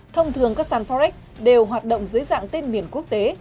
thông thường các sàn forex đều hoạt động dưới dạng tên miền quốc tế